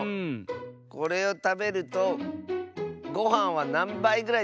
これをたべるとごはんはなんばいぐらいたべられますか？